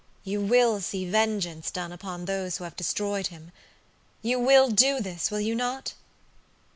You will see vengeance done upon those who have destroyed him. You will do this, will you not?"